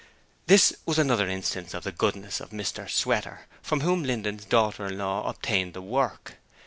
This was another instance of the goodness of Mr Sweater, from whom Linden's daughter in law obtained the work.